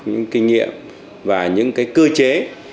những kinh nghiệm và những cái cơ chế